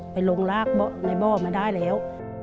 ไปลงลากในบ่อมาได้แล้ว